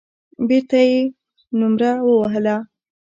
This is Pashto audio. بېرته يې نومره ووهله.